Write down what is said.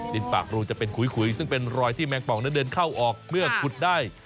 ปากรูจะเป็นขุยซึ่งเป็นรอยที่แมงปองนั้นเดินเข้าออกเมื่อขุดได้